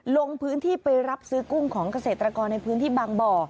ลงพื้นที่ไปรับซื้อกุ้งของเกษตรกรในพื้นที่บางบ่อ